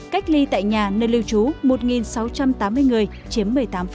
cách ly tại nhà nơi lưu trú một sáu trăm tám mươi người chiếm một mươi tám